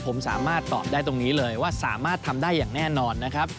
ผมสามารถตอบได้ตรงนี้เลยว่าสามารถทำได้อย่างแน่นอนนะครับ